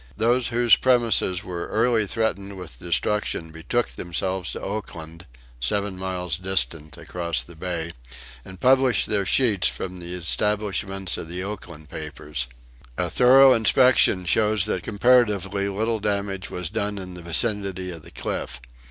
Those whose premises were early threatened with destruction betook themselves to Oakland, seven miles distant across the bay, and published their sheets from the establishments of the Oakland papers. A thorough inspection shows that comparatively little damage was done in the vicinity of the Cliff.